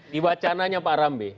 di wacananya pak rambe